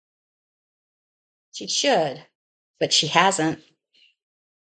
She should, but she hasn’t.